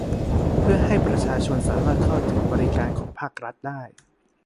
เพื่อให้ประชาชนสามารถเข้าถึงบริการของภาครัฐได้